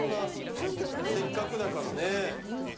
せっかくだからね。